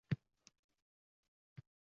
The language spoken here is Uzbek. yuritib turgan yerlar bitta «fermer»ga o‘tdi.